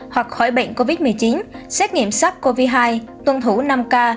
hoặc khỏi bệnh covid một mươi chín xét nghiệm sắc covid hai tuân thủ năm k